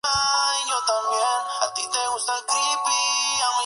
Ha expuesto en la Galería Nacional de Zimbabue.